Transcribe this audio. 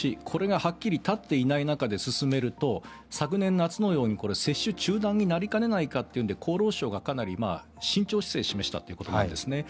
これがはっきり立っていない中で進めると昨年夏のように接種中断になりかねないかというので厚労省が慎重姿勢を示したということなんです。